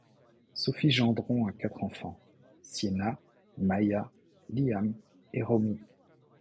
Sophie Gendron a quatre enfants, Sienna, Maya, Liam et Romy.